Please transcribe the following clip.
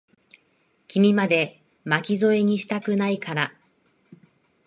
君まで、巻き添えにしたくないから。